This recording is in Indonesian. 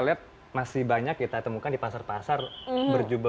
lihat masih banyak kita temukan di pasar pasar berjubel jubel membelikan membeli baju pakaian